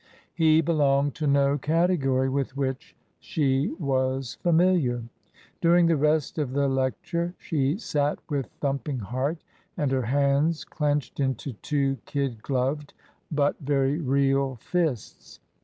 He belonged to no category with which she was ^miliar. During the rest of the lecture she sat with thumping heart and her hands clenched into two kid gloved but TRANSITION. 103 very real fists.